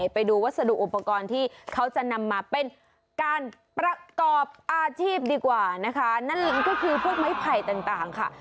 ไปดูวัสดุอุปกรณ์ที่เขาจะนำมาเป็นการประกอบอาชีพดีกว่านะคะนั่นลิงก็คือพวกไม้ไผ่ต่างค่ะ